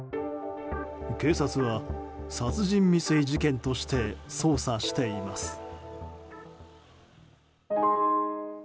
警察は殺人未遂事件として捜査しています。